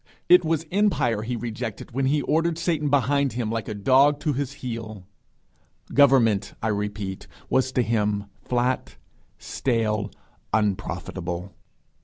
It was empire he rejected when he ordered Satan behind him like a dog to his heel. Government, I repeat, was to him flat, stale, unprofitable.